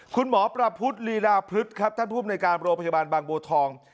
คุณหมอประพุทธลีลาพฤษครับท่านภูมิในการโรงพยาบาลบางบัวทอง